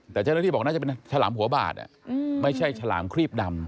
แต่เจ้าหน้าที่บอกน่าจะเป็นฉลามหัวบาดไม่ใช่ฉลามครีบดำ